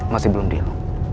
masih belum deal